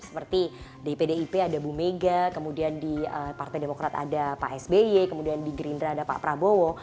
seperti di pdip ada bu mega kemudian di partai demokrat ada pak sby kemudian di gerindra ada pak prabowo